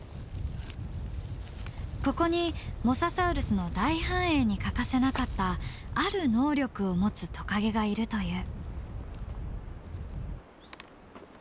ここにモササウルスの大繁栄に欠かせなかったある能力を持つトカゲがいるという。